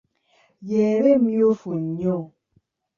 Y'eba emyufu nnyo.